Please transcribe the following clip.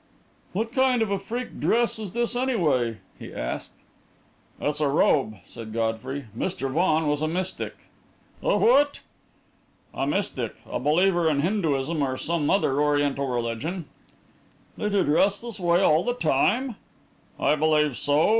"What kind of a freak dress is this, anyway?" he asked. "It's a robe," said Godfrey. "Mr. Vaughan was a mystic." "A what?" "A mystic a believer in Hinduism or some other Oriental religion." "Did he dress this way all the time?" "I believe so.